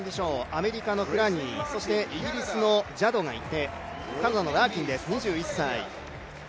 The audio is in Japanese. アメリカのクラニーそしてイギリスのジャドがいてカナダのラーキンです、２１歳。